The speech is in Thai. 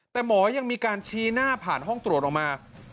แต่หมอยังมีการชี้หน้าผ่านห้องตรวจออกมา